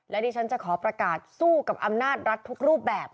และดิฉันจะขอประกาศสู้กับอำนาจรัฐทุกรูปแบบ